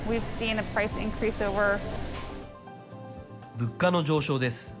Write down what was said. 物価の上昇です。